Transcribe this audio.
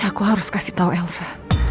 aku harus kasih tahu elsa